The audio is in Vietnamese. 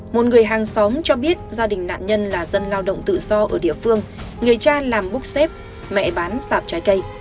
một người hàng xóm cho biết gia đình nạn nhân là dân lao động tự do ở địa phương người cha làm búc xếp mẹ bán sạp trái cây